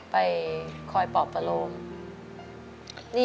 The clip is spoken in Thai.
ไปคอยปลอบอารมณ์